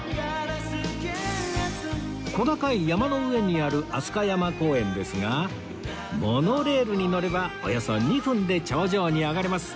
小高い山の上にある飛鳥山公園ですがモノレールに乗ればおよそ２分で頂上に上がれます